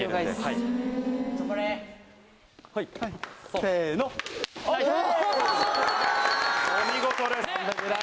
・せの・お見事です！